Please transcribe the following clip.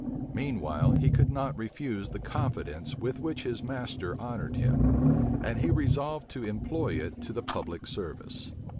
Meanwhile, he could not refuse the confidence with which his master honored him; and he resolved to employ it to the public service.